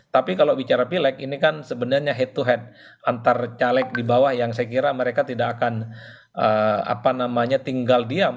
tapi kalau bicara pileg ini kan sebenarnya head to head antar caleg di bawah yang saya kira mereka tidak akan tinggal diam